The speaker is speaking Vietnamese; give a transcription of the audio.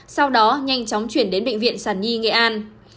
sau đó nhanh chóng chuyển đến bệnh viện sản nhi nghệ an